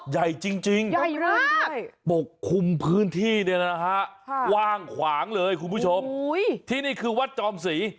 ใหญ่จริงใหญ่มากปกคลุมพื้นที่เนี่ยนะฮะกว้างขวางเลยคุณผู้ชมที่นี่คือวัดจอมศรี